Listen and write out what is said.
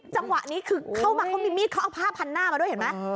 จังหวะนี้คือเข้ามาเขามีมีดเขาเอาผ้าพันหน้ามาด้วยเห็นไหม